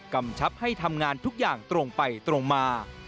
กำชับให้ทำงานทุกอย่างตรงไปตรงมา